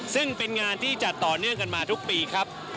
ซึ่งเป็นงานที่จัดต่อเนื่องกันมาทุกปีครับ